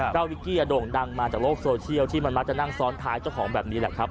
นิกกี้โด่งดังมาจากโลกโซเชียลที่มันมักจะนั่งซ้อนท้ายเจ้าของแบบนี้แหละครับ